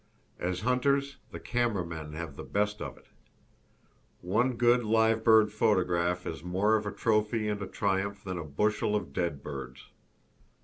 As hunters, the camera men have the best of it. One good live bird photograph is more of a trophy and a triumph than a bushel of dead birds.